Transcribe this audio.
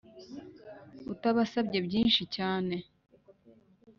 utabasabye byinshi cyane